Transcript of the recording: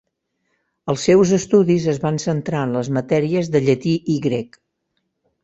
Els seus estudis es van centrar en les matèries de llatí i grec.